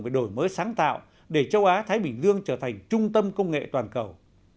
về đổi mới sáng tạo để châu á thái bình dương trở thành trung tâm công nghệ toàn cầu